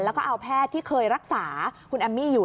แล้วก็เอาแพทย์ที่เคยรักษาคุณแอมมี่อยู่